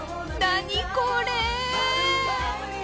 何これ！？